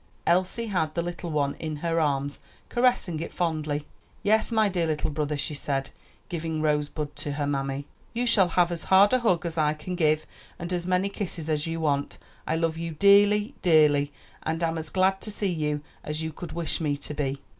Elsie had the little one in her arms, caressing it fondly. "Yes, my dear little brother," she said, giving Rosebud to her mammy, "you shall have as hard a hug as I can give, and as many kisses as you want. I love you dearly, dearly, and am as glad to see you as you could wish me to be."